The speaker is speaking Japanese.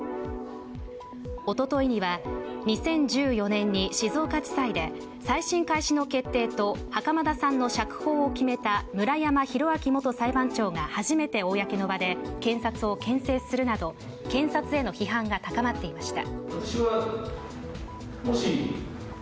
おとといには２０１４年に静岡地裁で再審開始の決定と袴田さんの釈放を決めた村山浩昭元裁判長が初めて公の場で検察をけん制するなど検察への批判が高まっていました。